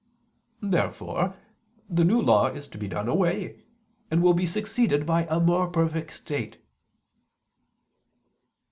Therefore the New Law is to be done away, and will be succeeded by a more perfect state.